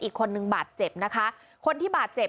อีกคนนึงบาดเจ็บนะคะคนที่บาดเจ็บ